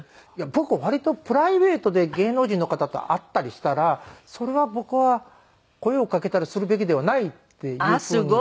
僕は割とプライベートで芸能人の方と会ったりしたらそれは僕は声をかけたりするべきではないっていうふうに。